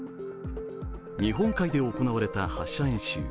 日本海で行われた発射演習。